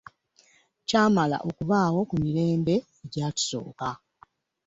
kyamala okubaawo mu mirembe egyatusooka.